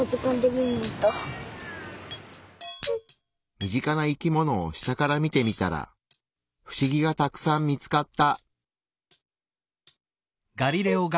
身近な生き物を下から見てみたらフシギがたくさん見つかった。